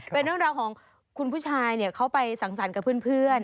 เป็นเรื่องราวของคุณผู้ชายเขาไปสั่งสรรค์กับเพื่อน